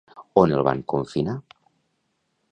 On el van confinar?